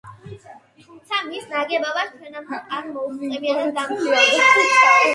თუმცა მის პირველ ნაგებობას ჩვენამდე არ მოუღწევია და დამწვარა.